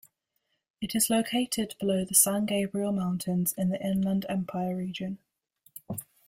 It is located below the San Gabriel Mountains in the Inland Empire region.